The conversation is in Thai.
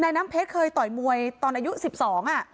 นายน้ำเพชรเคยต่อยมวยตอนอายุสิบสองอ่ะอ่า